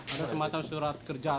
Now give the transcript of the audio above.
ada semacam surat kerjaan